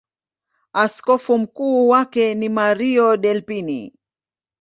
Askofu mkuu wake ni Mario Delpini.